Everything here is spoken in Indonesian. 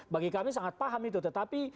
bagi kami sangat paham itu tetapi